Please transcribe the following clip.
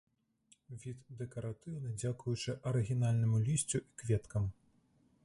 Від дэкаратыўны дзякуючы арыгінальнаму лісцю і кветкам.